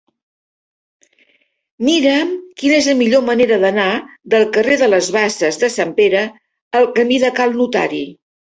Mira'm quina és la millor manera d'anar del carrer de les Basses de Sant Pere al camí de Cal Notari.